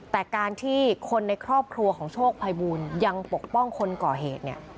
แต่การที่คนในครอบครัวของโชคภัยบูลยังปกป้องคนก่อเหตุเนี่ย